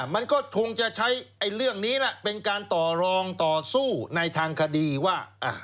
มันก็คงจะใช้เรื่องนี้แหละเป็นการต่อรองต่อสู้ในทางคดีว่า